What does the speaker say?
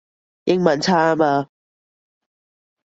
英文差吖嘛